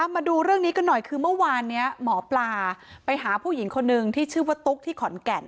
มาดูเรื่องนี้กันหน่อยคือเมื่อวานนี้หมอปลาไปหาผู้หญิงคนนึงที่ชื่อว่าตุ๊กที่ขอนแก่น